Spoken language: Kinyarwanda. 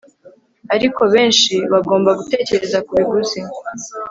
Ariko benshi bagomba gutekereza kubiguzi